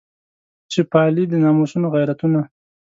چې پالي د ناموسونو غیرتونه.